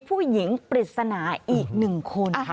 ผู้หญิงปริศนาอีกหนึ่งคน